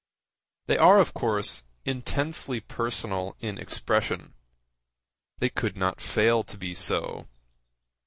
They are, of course, intensely personal in expression. They could not fail to be so.